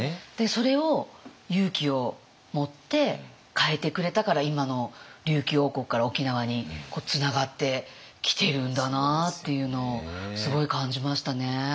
それを勇気を持って変えてくれたから今の琉球王国から沖縄につながってきてるんだなっていうのをすごい感じましたね。